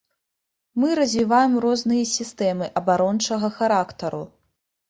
Мы развіваем розныя сістэмы абарончага характару.